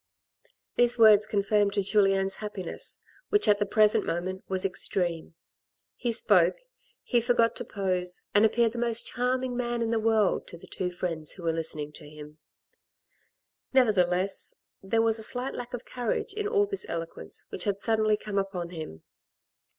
These words confirmed Julien's happiness, which at the present moment was extreme ; he spoke, he forgot to pose, and appeared the most charming man in the world to the two friends who were listening to him. Nevertheless, there was a slight lack of courage in all this eloquence which had suddenly come upon him.